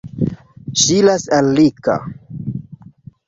Ŝi iras al Rika.